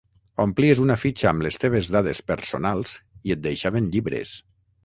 Omplies una fitxa amb les teves dades personals i et deixaven llibres.